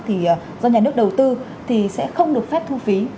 thì do nhà nước đầu tư thì sẽ không được phép thu phí